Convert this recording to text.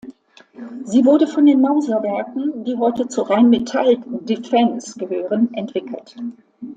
Sie wurde von den Mauser-Werken, die heute zur Rheinmetall Defence gehören, entwickelt.